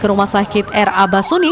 rumah sakit r a basuni